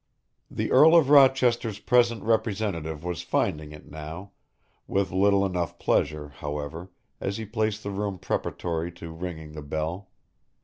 The Earl of Rochester's present representative was finding it now, with little enough pleasure, however, as he paced the room preparatory to ringing the bell.